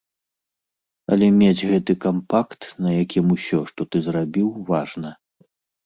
Але мець гэты кампакт, на якім усё, што ты зрабіў, важна.